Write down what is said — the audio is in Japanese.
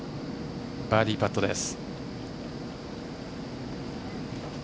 バーディーパットです。